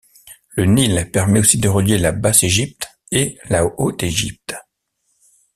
Le Nil permet aussi de relier la Basse-Égypte et la Haute-Égypte.